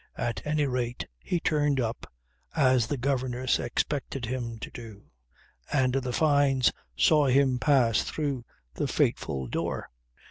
At any rate he turned up, as the governess expected him to do, and the Fynes saw him pass through the fateful door.